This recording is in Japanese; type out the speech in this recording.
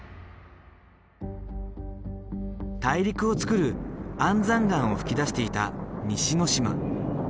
大陸をつくる安山岩を噴き出していた西之島。